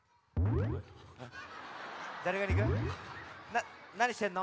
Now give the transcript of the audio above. ななにしてんの？